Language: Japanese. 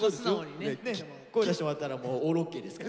声出してもらったらもうオールオーケーですから。